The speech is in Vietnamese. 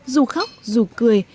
dù khóc dù cười